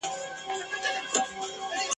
که وفا که یارانه ده دلته دواړه سودا کیږي ..